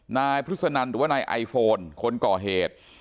นายพฤษนันหรือว่านายไอโฟนคนก่อเหตุ